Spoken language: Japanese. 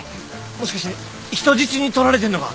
もしかして人質にとられてんのか？